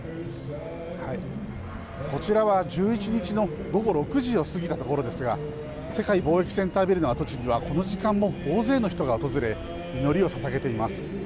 こちらは１１日の午後６時を過ぎたところですが、世界貿易センタービルの跡地にはこの時間も大勢の人が訪れ、祈りをささげています。